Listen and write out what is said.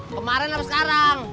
kemarin apa sekarang